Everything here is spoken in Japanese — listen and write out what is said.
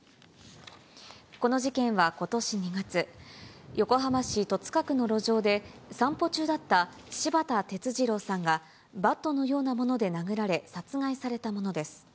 この事件はことし２月、横浜市戸塚区の路上で、散歩中だった柴田哲二郎さんがバットのようなもので殴られ、殺害されたものです。